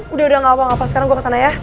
udah udah gak apa apa sekarang gue kesana ya